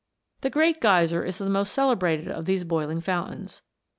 The Great Geyser is the most celebrated of these boiling fountains.